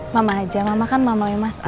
mama aja mama kan mama yang masam